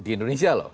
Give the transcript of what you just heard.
di indonesia loh